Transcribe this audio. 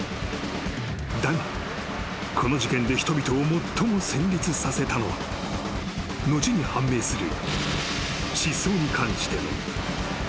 ［だがこの事件で人々を最も戦慄させたのは後に判明する］